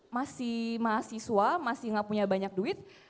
masih mahasiswa masih nggak punya banyak duit